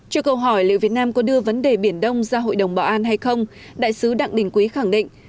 trừ câu hỏi liệu việt nam có đưa vấn đề biển đông ra hội đồng bảo an hay không đại sứ đặng đình quý khẳng định